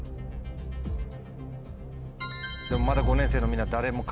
でも５年生のみんな。